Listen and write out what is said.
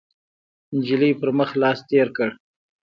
، نجلۍ پر مخ لاس تېر کړ،